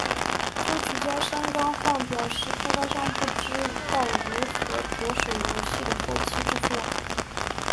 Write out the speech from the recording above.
作曲家山冈晃表示开发商不知道如何着手游戏的后期制作。